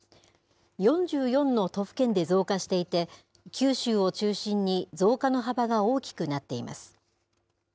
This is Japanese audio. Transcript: ４４の都府県で増加していて、九州を中心に、増加の幅が大きくなっています。